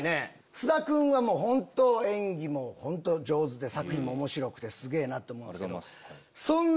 菅田君は本当演技も上手で作品もおもしろくてすげぇなって思うんです。